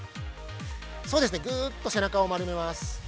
そうですね、ぐうっと背中を丸めます。